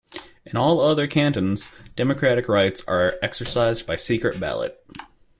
In all other cantons democratic rights are exercised by secret ballot.